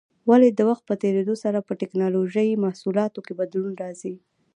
ولې د وخت په تېرېدو سره په ټېکنالوجۍ محصولاتو کې بدلون راځي؟